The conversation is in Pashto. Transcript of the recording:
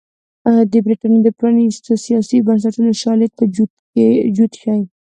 د برېټانیا د پرانېستو سیاسي بنسټونو شالید به جوت شي.